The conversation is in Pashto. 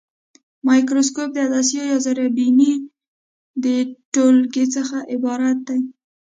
مایکروسکوپ د عدسیو یا زرې بیني د ټولګې څخه عبارت دی.